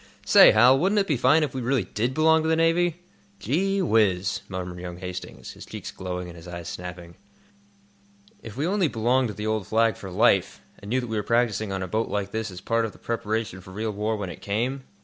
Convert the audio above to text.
Say, Hal, wouldn't it be fine if we really did belong to the Navy?" "Gee whiz!" murmured young Hastings, his cheeks glowing and his eyes snapping. "If we only belonged to the old Flag for life, and knew that we were practising on a boat like this as a part of the preparation for real war when it came?"